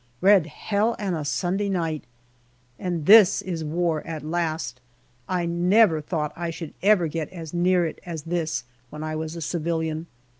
Red Hell and a Sunday night ! And this is war at last ! I never thought I should ever get as near it as this, when I was a civilian.